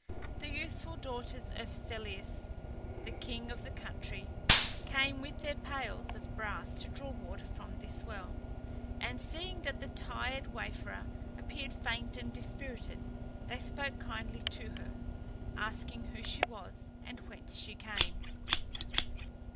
The youthful daughters of Celeus, the king of the country, came with their pails of brass to draw water from this well, and seeing that the tired wayfarer appeared faint and dispirited, they spoke kindly to her, asking who she was, and whence she came.